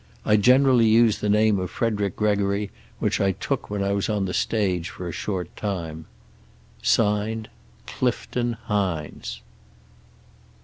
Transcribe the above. I generally use the name of Frederick Gregory, which I took when I was on the stage for a short time. "(Signed) Clifton HINES."